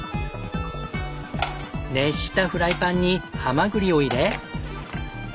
熱したフライパンにハマグリを入れ。